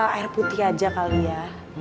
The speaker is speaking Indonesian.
air putih aja kali ya